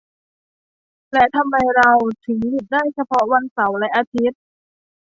และทำไมเราถึงหยุดได้เฉพาะวันเสาร์และอาทิตย์